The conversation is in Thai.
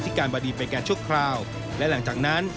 อธิการปฏิไปการชุดคราวและหลังจากนั้น